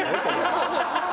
ハハハハ！